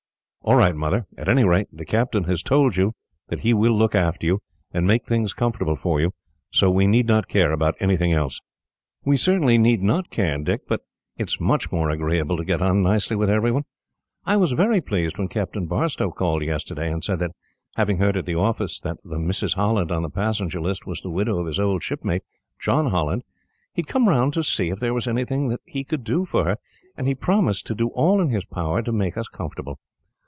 "All right, Mother. At any rate, the captain has told you that he will look after you, and make things comfortable for you, so we need not care about anything else." "We certainly need not care, Dick; but it is much more agreeable to get on nicely with everyone. I was very pleased when Captain Barstow called yesterday and said that, having heard at the office that the Mrs. Holland on the passenger list was the widow of his old shipmate, John Holland, he had come round to see if there was anything that he could do for her, and he promised to do all in his power to make us comfortable.